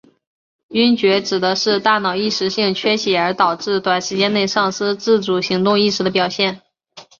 晕厥指的是大脑一时性缺血而导致短时间内丧失自主行动意识的表现。